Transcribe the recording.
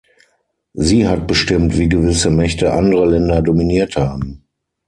Sie hat bestimmt, wie gewisse Mächte andere Länder dominiert haben.